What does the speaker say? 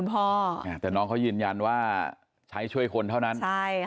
เป็นครับ